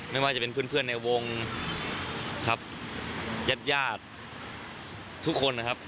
ไม่ว่าจะเป็นเพื่อนในวงครับญาติญาติทุกคนนะครับ